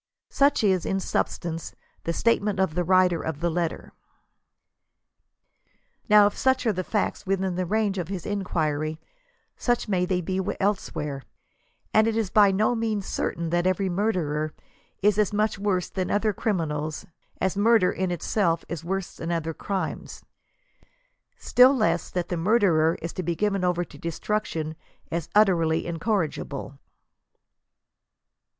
Such is, in substance, the statement of the writer of the letter.* Now, if such are the facts within the range of his inquiry, such they may be elsewhere, and it is by no means certain that every murderer is as much worse than other criminals, as mur der in itself is worse than other crimes ; still less that the murderer is to be given over to destruction as utterly incorri* gible.